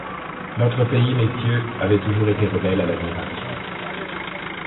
Notre pays, messieurs, avait toujours été rebelle à l'admiration.